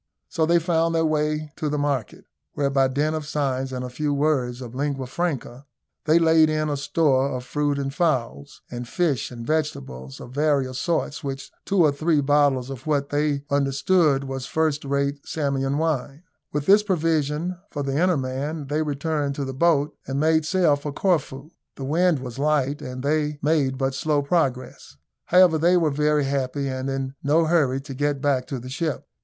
So they found their way to the market, where by dint of signs and a few words of lingua franca, they laid in a store of fruit and fowls, and fish and vegetables of various sorts, with two or three bottles of what they understood was first rate Samian wine. With this provision for the inner man they returned to the boat, and made sail for Corfu. The wind was light, and they made but slow progress. However, they were very happy, and in no hurry to get back to the ship.